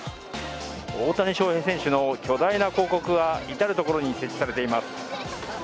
大谷翔平選手の巨大な広告が至る所に設置されています。